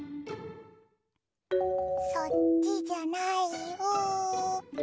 そっちじゃないよ。